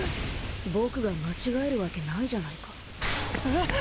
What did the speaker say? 僕が間違えるワケないじゃないかえ！？